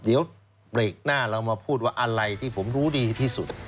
เดี๋ยวเบรกหน้าเรามาพูดว่าอะไรที่ผมรู้ดีที่สุด